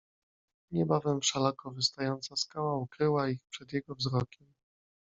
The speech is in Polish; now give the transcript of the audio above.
"Niebawem wszelako wystająca skała ukryła ich przed jego wzrokiem."